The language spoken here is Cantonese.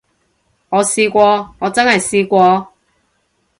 我試過，我真係試過